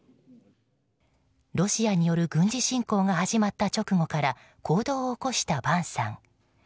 ロシアによる軍事侵攻が始まった直後から行動を起こした坂さん。